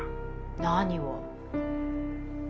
何を？